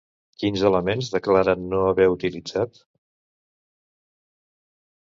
Quins elements declaren no haver utilitzat?